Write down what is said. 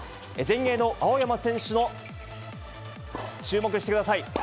前衛の青山選手の、注目してください。